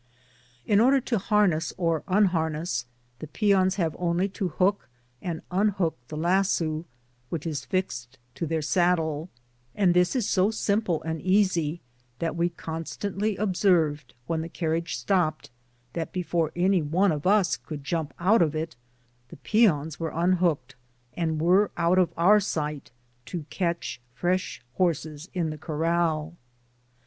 In order to harness or unharness, the peons have only to hook and unhook the lasso which is fixed to their saddle; and this is so simple and easy, that we constantly observed when the carriage stopped, that before any one of us could jump out of it, the peons had unhooked, and were out of our sight to catch fresh horses in the corral.